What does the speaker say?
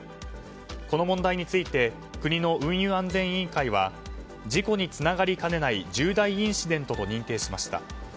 この問題について国の運輸安全委員会は事故につながりかねない重大インシデントと認定しました。